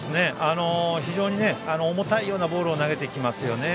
非常に重たいようなボールを投げてきますよね。